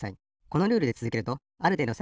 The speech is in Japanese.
このルールでつづけるとあるていど